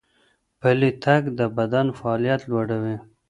پلی تګ د بدن فعالیت لوړوي.